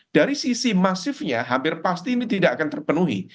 dari sisi masifnya hampir pasti ini tidak akan terpenuhi